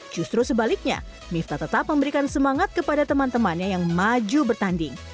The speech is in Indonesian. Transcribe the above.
justru sebaliknya miftah tetap memberikan semangat kepada teman temannya yang maju bertanding